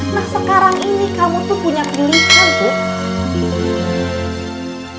nah sekarang ini kamu tuh punya pilihan tut